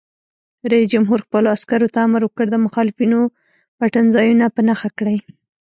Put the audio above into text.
رئیس جمهور خپلو عسکرو ته امر وکړ؛ د مخالفینو پټنځایونه په نښه کړئ!